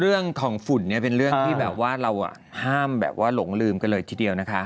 เรื่องของฝุ่นเป็นเรื่องที่เราห้ามหลงลืมกันเลยทีเดียวนะคะ